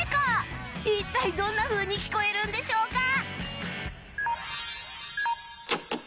一体どんなふうに聞こえるんでしょうか？